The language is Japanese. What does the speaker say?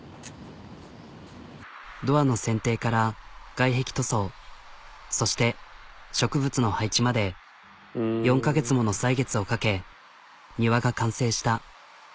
ドアの選定から外壁塗装そして植物の配置まで４カ月もの歳月をかけ庭が完成した。